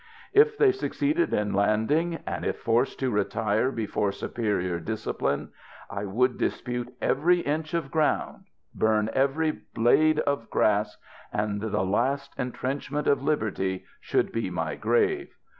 If they succeeded in landing, and if forced to retire before superior discipline, I would dispute every inch of ground, burn every blade of grass, and the last intrenchment of liberty should be my grave.